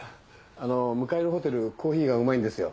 あの向かいのホテルコーヒーがうまいんですよ。